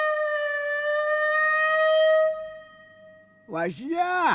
わしじゃあ！